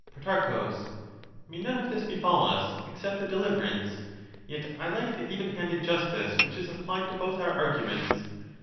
Pro. May none of this befal us, except the deliverance I Yet I like the even handed justice which is applied to both our arguments.